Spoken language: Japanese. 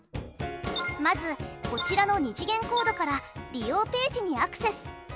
まずこちらの２次元コードから利用ページにアクセス。